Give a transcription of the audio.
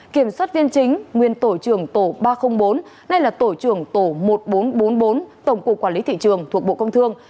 kiểm soát viên chính nguyên tổ trưởng tổ ba trăm linh bốn nay là tổ trưởng tổ một nghìn bốn trăm bốn mươi bốn tổng cục quản lý thị trường thuộc bộ công thương